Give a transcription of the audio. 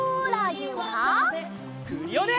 クリオネ！